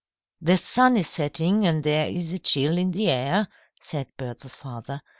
"The sun is setting, and there is a chill in the air," said Bertha's father.